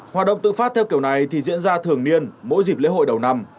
hoạt động tự phát theo kiểu này thì diễn ra thường niên mỗi dịp lễ hội đầu năm